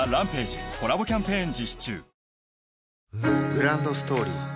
グランドストーリー